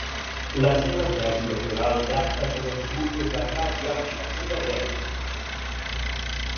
La seva tesi doctoral tracta sobre els cultes d'Arcàdia i la seva gènesi.